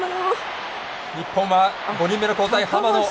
日本は５人目の交代。